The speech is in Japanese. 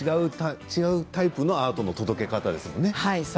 違うタイプのアートの届け方ですよね。